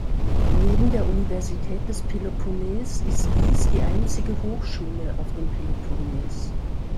Neben der Universität des Peloponnes ist diese die einzige Hochschule auf dem Peloponnes.